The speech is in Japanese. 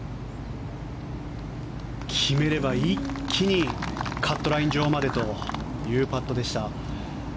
決めれば一気にカットライン上までというパットでした。